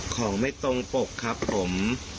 ของไม่ตรงปกครับผม